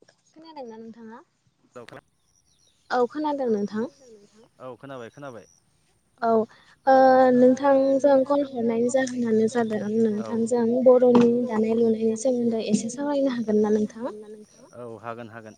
खोनादोंना नोंथाङा? [unintelligible] खोनाबाय। औ औ हागोन हागोन।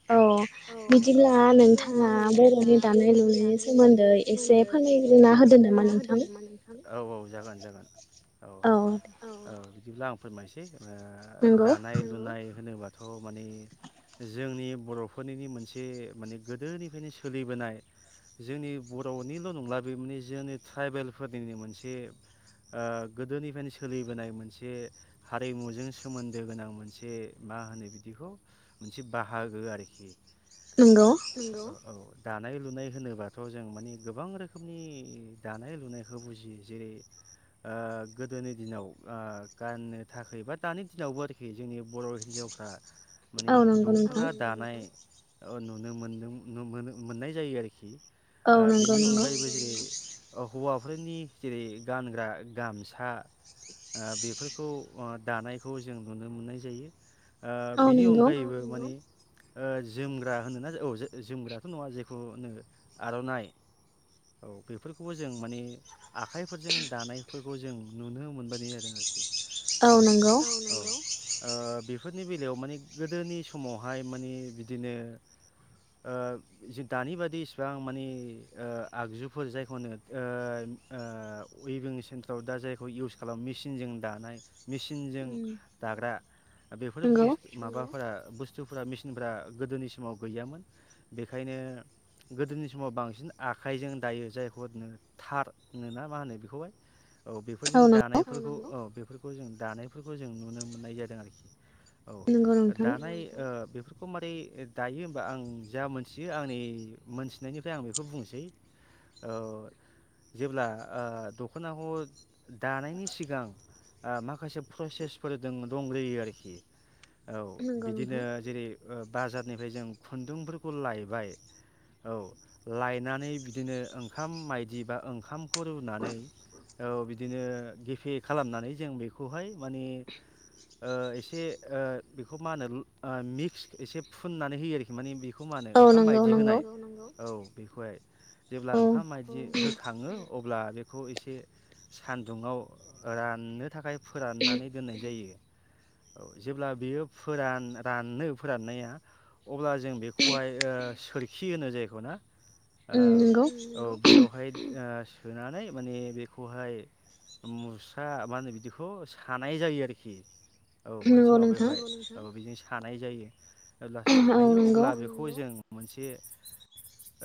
औ औ जागोन औ औ औ। बिदिब्ला आं फोरमायसै। ओ दानाय लुनाय होनोबाथ' मानि जोंनि बर' फोरनि मोनसे माने गोदोनिफ्रायनो सोलिबोनाय जोंनि बर'निल' नंला बे माने जोंनि ट्राइबेलफोरनिनो मोनसे गोदोनिफ्रायनो सोलिबोनाय मोनसे हारिमुजों सोमोन्दो गोनां मोनसे मा होनो बिदिखौ मोनसे बाहागो आरोखि नोंगौ दानाय लुनाय होनोबाथ' जों माने गोबां रोखोमनि दानाय लुनायखौ बुजियो जेरै ओ गोदोनि दिनाव ओ गाननो थाखायबा दानि दिनावबो आरोखि जोंनि बर' हिन्जावफ्रा माने दख'ना दानाय अ नुनो मोनदों मोनो मोननाय जायो आरोखि ओ बिनि अनगायैबो जेरै हौवाफोरनि जेरै गानग्रा गामसा आ बेफोरखौ दानायखौ जों नुनो मोननाय जायो ओ बिनि अनगायैबो माने ओ जोमग्रा होनोना औ जोमग्रााथ' नङा जेखौ होनो आर'नाइ औ बेफोरखौबो जों माने आखाइफोरजों दानाय फोरखौ जों नुनो मोनबा औ औ नंगौ ओ बेफोरनि बेलायाव माने गोदोनि समावहाय माने बिदिनो ओ दानि बादि इसिबां मानि ओ आगजुफोर जायखौनो ओ ओ उइभिं सेन्टाराव दा जायखौ इउस खालामो मेसिनजों दानाय मेसिनजों दाग्रा बेफोर बुस माबाफोरा बस फोरा मेसिनफ्रा गोदोनि समाव गैयामोन बेखायनो गोदोनि समाव बांसिन आखाइजों दायो जायखौ थार होनो ना मा होनो बेखौहाय औ बेफोरजों दानायफोरखौ औ बेफोरखौ जों दानायफोरखौ जों नुनो मोननाय जादों आरोखि औ दानाय ओ बेफोर [unintelligible] दायो होमबा आं जा मोनथियो आंनि मोनथिनायनिफ्राय आं बेखौ बुंनोसै ओ जेब्ला ओ दखनाखौ दानायनि सिगां माखासे प्रसेसफोर दं दंग्रोयो आरोखि औ बिदिनो जेरै ओ बाजारनिफ्राय जों खुन्दुंफोरखौ लायबाय औ लायनानै बिदिनो ओंखाम मायदि बा ओंखामखौ रुनानै औ बिदिनो गेफे खालामनानै जों बेखौहाय माने ओ एसे ओ बेखौ मा होनो मिक्स एसे फुननानै होयो आरोखि माने बे बेखौ मानो ओंखाम बायदि होनाय औ बेखौहाय जेब्ला ओंखाम बायदि होखाङो अब्ला बेखौ एसे सान्दुङाव राननो थाखाय फोराननानै दोननाय जायो औ जेब्ला बेयो फोरान रानो फोराननाया अब्ला जों बेखौहाय ओ सोरखि होनो जायखौ ना ओ औ बेयावहाय आ सोनानै माने बेखौहाय मुस्रा मा होनो बिदिखौ सानाय जायो आरोखि औ मोनसे माबायावहाय औ [unintelligible] थानाय जायो जेब्ला सायो अब्ला बेखौ जों मोनसे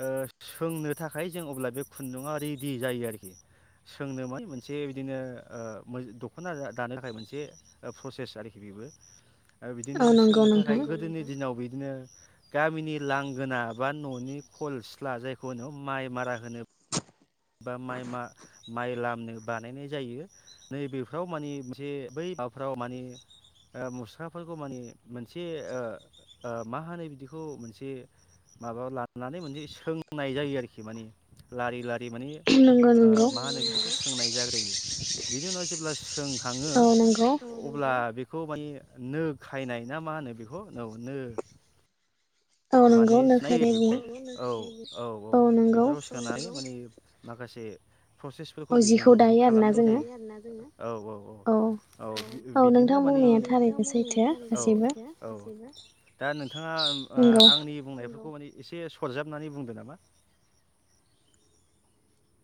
ओ सोंनो थाखाय जों अब्ला बे खुन्दुा रेडि जायो आरोखि सोंनो मान मोनसे बिदिनो दख'ना दानो थाखाय मोनसे प्रसेस आरोखि बेबो बिदिनो सोंनो थाखाय गोदोनि उनाव बिदिनो गामिनि लांगोना बा न'नि खल सिला जायखौ माइ मारा होनो बा माइ माइ लामनो बानायनाय जायो नैबेफ्राव मान मोनसे बै माबाफ्राव माने ओ मुसखाफोरखौ माने मोनसे मा होनो बिदिखौ मोनसे माबा लानानै मोनसे सोंनाय जायो आरोखि माने लारि लारि दै माने मा होनो बिखौ सोंनाय जाग्रोयो बिनि उनाव जेब्ला सोंखाङो अब्ला बेखौ माने नो खायनाय ना मा होनो बेखौ औ नो माने सनाय बे औ औ औ बेफोराव सोनाय माने माखासे प्रसेसफोरखौ बेजोंबो मान खालामनाय जायोना औ औ औ औ बिदिनो माने औ औ दा नोंथाङा ओ आंनि बुंनाय माने एसे सरजाबनानै बुंदो नामा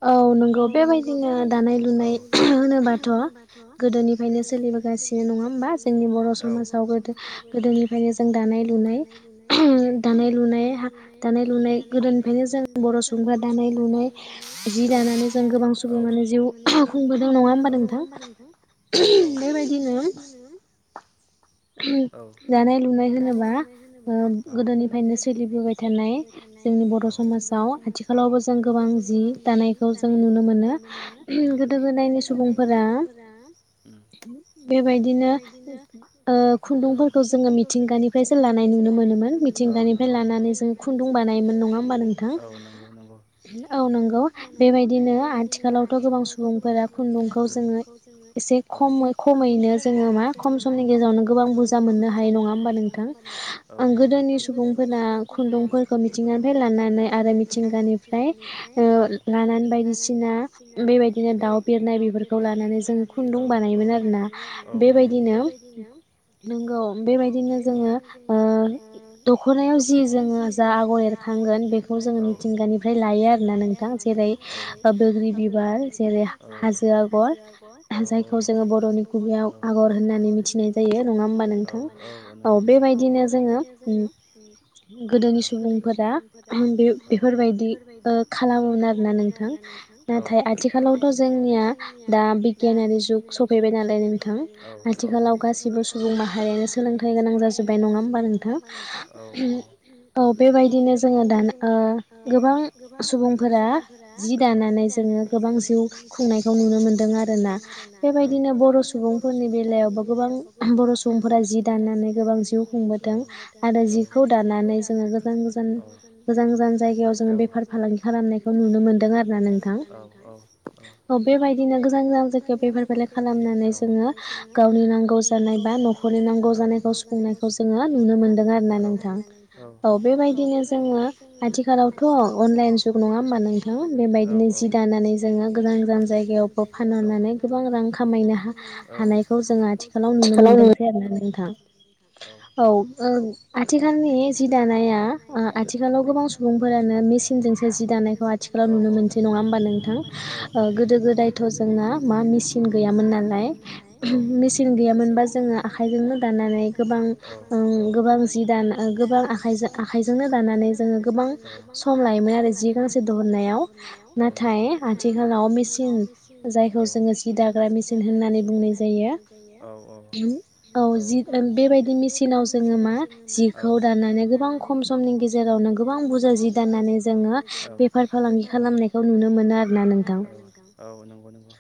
औ नंगौ बेबायदिनो दानाय लुनाय होनोबाथ' गोदोनिफ्रायनो सोलिबोगासिनो नङा होमबा जोंनि बर' समाजाव गो गोदोनिफ्रायनो जों दानाय लुनाय दानाय लुनाय दानाय लुनाय गोदोनिफ्रायनो जों बर' सुबुंफ्रा दानाय लुनाय दानानै जों गोबां सुबुं मानो जिउ खुंबोदों नङा होमबा नोंथां बेबायदिनो दानाय लुनाय होनोबा ओ गोदोनिफ्रायनो सोलिबोबाय थानाय जोंनि बर' समाजाव आथिखालावबो जों गोबां जि दानायखौ जों नुनो मोनो गोदो गोदायनि सुबुंफोरा बेबायदिनो ओ खुन्दुंफोरखौ जोङो मिथिंगानिफ्रायसो लानाय नुनो मोनोमोन मिथिंगानिफ्राय लानानै जोङो खुन्दुं बानायोमोन नङा होमबा नोंथां औ नंगौ औनांगौ बेबायदिनो आथिखालावथ' गोबां सुबुंफोरा खुन्दुंखौ जोङो एसे खम खमैनो जोङो मा खम समनि गेजेरावनो गोबां बुरजा मोननो हायो नङा होमबा नोंथांं गोदोनि सुबुंफोरा खुन्दुंफोरखौ मिथिंगानिफ्राय लानानै आरो मिथिंगानिफ्राय लानानै बायदिसिना बेबायदिनो दाउ बिरनाय बेफोरखौ लानानै जोङो खुन्दुं बानायोमोन आरोना बेबायदिनो नोंगौ बेबायदिनो जोङो ओ दख'नायाव जि जोङो जा आगर एरखांगोन बेखौ जोङो मिथिंगानिफ्राय लायो आरोना नोंथां जेरै बैग्रि बिबार जेरै हाजो आगर जायखौ जोङो बर'नि बियाव आगर होननानै बेबायदिनो जोङो गोदोनि सुबुंफोरा बेफोरबायदि ना नोंथां नाथाय आथिखालावथ' जोंनिया दा बिगियानारि जुग सफैबाय नालाय नोंथां आथिखालाव गाैसै आखोलालाव गाससिबो सुबुं माहारियानो सोलोंथाइ गोनां जाजोब्बाय नङा होमबा नोंथां औ बेबायदिनो जोङो दाना गोबां सुबुंफोर जि दानानै जोङो गोबां जिउ खुंनायखौ नुनो मोनदों आरोना बेबायदिनो बर' सुबुंफोरनि बेलायावबो गोबां बर' सुबुंफोरा जि दाननानै गोबां जिउ खुंबोदों आरो जिखौ दानानै जोङो गोजान गोजान गोजान गोजान जायगायाव जोङो बेफार फालांगि खालामनायखौ नोंनो मोनदों आरो ना नोंथां बे बायदिनो गोजान गोजान जायगायावबेफार बेलाइ खालाम जोङो गावनि। गावनि नांगौ जानाय बा न'खरनि नांगौ जानायखौ सफुंनायखौ जोंङो नुनो मोनदों आरो ना नोंथां? औ बेबायदिनो जोंङो आथिखालावथ' अनलाइन नैथों बेबायदिनो जि दानानै जोंङो गोजान गोजान जायगायावबो फानहरनानै गोबां रां खामायनो हा-हानायखौ जों [unintelligible] औ औ नंगौ औ नंगौजानाय न मोनसे नङा होमब नों गोदो गोदायथ' जोंना मा मेचिन गैयामोन नालाय गैयामोनबा जोंङो आखायजोंनो दानानै गोबां ओं गोबां जि दां आखाइ-आखायजोंनो दानानै जोंङो गोबां सम लायोमोन आरो जि गांसे। जि गांसे दिहुननायाव नाथाय आथिखालाव मेचिन जायखौ जोंङो सि दाग्रा मेसिन होननानै बुंङो। औ जि बेबायदि मेसचिनाव जोंङो मा जिखौ दानानै गोबां खम समनि गेजेरावनो गोबां बुरजा जि दानानै जोंङो बेफार फालांगि खालामनायखौ नुनो मोनो आरो नोंथां औ नंगौ नंगौ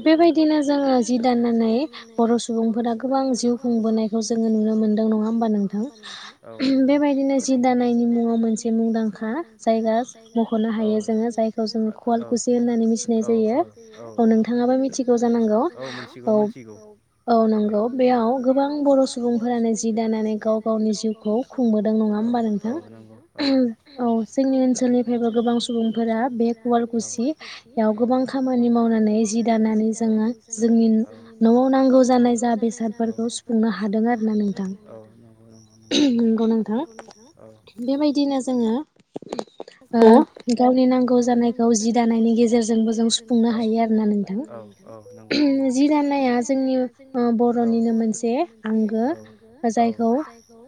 औ नगौ बेबायदिनो जोंङो जि दानानै बर' सुबुंफोरा गोबां जिउ खुंबोनायखौ जोंंङो नुनो मोनदों नंङा होमबा नोंथां बेबायदिनो जि दानायनि मुंङाव मोनसे मुंदांखा जाय दं औ औ नंगौ बेयाव गोबां बर' सुबुंफोरानो जि दानानै गाव गावनि जिउखौ खुं औ जोंनि गोबां सुबुंफोरा बे कुवालकुसियाव गोबां खामानि मावनानै जि दानानै जोंङो जोंनि न न'आव नांगौ जानाय जा बेसादफोरखौ सुफुंनो हादों आरो ना नोंथां औ नंगौ नंगौ नंगौ। नंगौ नोंथां बेबायदिनो आरो गावनि नांगौ जानायखौ जि दानायनि गेजेरजोंबो जों सुफुंनो हायो आरो ना नोंथां जि दानाया जोंनि बर'निनो मोनसे आंगो जायखौ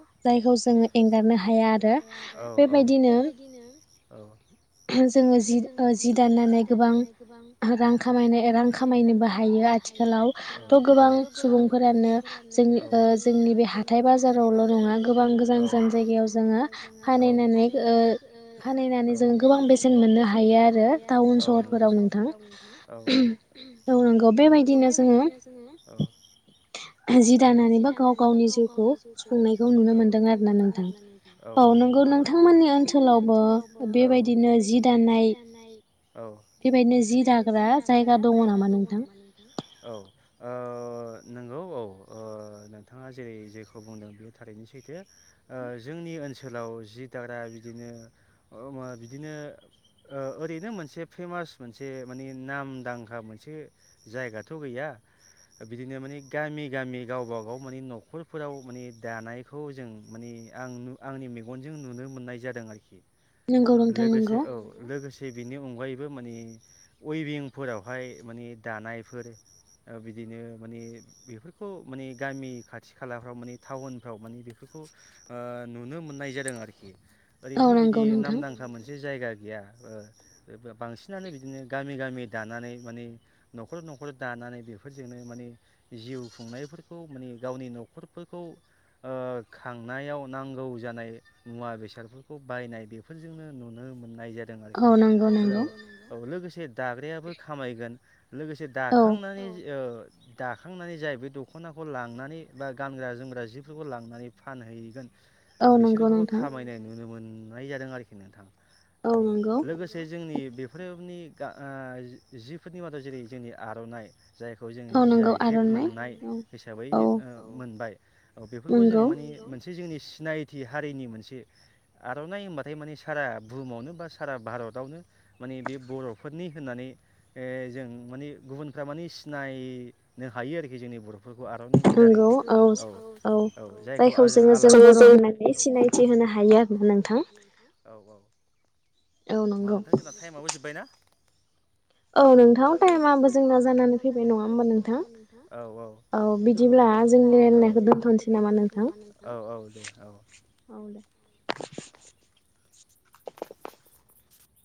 जायखौ जोंङो एंगारनो हाया आरो बेबायदिनो जोंङो जि जि दानानै गोबां रां खामायनाय रां खामायनोबो हायो आथिखालाव थ' गोबां सुबुंफोरानो जोंनि जोंनि बे हाथाय बाजारावल' नंङा गोजान गोजान गोजान जायगायाव जोंङो फानहैनानै बनानै जों गोबां बेसेन मोननो हायो आरो टाउन सहरफोराव नोंथां नगौ बेबायदिनो जोङो जि दानानै बा गाव गावनि जिउखौ खुंनायखौ नुनो मोनदों आरो ना नोंथां औ नगौ नोंथां ओनोल ओनसोलावबो बेबायदिनो जि दानाय औ बेबायदिनो जि दाग्रा जायगा दङ नामा नोंथां? औ ओ नंगौ औ ओ नोंथांङा जेरै जेखौ बुंदों बेयो थारैनो सैथो जोंनि ओनसोलाव जि दाग्रा बिदिनो बिदिनो ओरैनो मोनसे फेमास मोनसे माने नामदांखा मोनसे जायगाथ' गैया बिदिनो माने गामि गामि गावब गाव माने न'खरफोराव माने दानायखौ जों माने आं आंनि मेगनजों नुनो मोननाय जादों आरोखि लोगोसे औ लोगोसे बिनि मुं अनगायैबो माने अयभिंफोरावहाय माने दानायफोर बिदिनो माने बेफोरखौ माने गामि खाथि खालाफ्राव माने टाउनफ्राव माने बेफोरखौ नुनो मोननाय जादों आरोखि ओरैनोथ' बिदि बे नामदांखा मोनसे जायगा गैया बांसिनानो बिदिनो गामि गामि गामि दानानै माने न'खर न'खर दानानै बेफोरजोंनो माने जिउ खुंनायफोरखौ माने गावनि न'खरफोरखौ खांनायाव नांगौ जानाय मुवा बेसादफोरखौ बायनाय। बेफोरजोंनो नुनो मोनो। नाय जादों आरोखि औ लोगोसे दाग्रायाबो खामायगोन। लोगोसे दाखांनानै दाखांनानै जाय बे दखनाखौ लांनानै बा गानग्रा जोमग्रा जिफोरखौ लांनानै फानहैगोन। बिसोरखौबो खामायनाय नुनो मोनो। नुनाय जादों आरोखि नोंथां। औ लोगोसे जोंनि बेफोरनि जिफोरनि मादाव जेरै जोंनि आरनाइ जायखौ जों जि आइ टेक मोननाय हिसाबै मोनबाय। औ बेफोरखौ जों माने मोनसे जोंनि सिनायथि हारिनि मोनसे भारताव नाय होमबाथाय माने सारा बुहुमावनो बा सारा भारतावनो माने बे बरफोरनि होननानै जों माने गुबुनफ्रा माने सिनायनो हायो आरोखि, जोंनि बर फोरखौ आरनाइनि दारै औ औ जायखौ आ आलासिहाय औ बाहायनाय जायो। औ औ औ होमबा नोंथां जोंना टाइमाबो जोब्बाय ना। औ नोंथां टाइम आबो जोंना जानानै फैनाय नङा होमबा नोंथां? औ औ औ बिदिब्ला जों रनायखौ दोनथनोसै नामा नोंथां? औ दे औ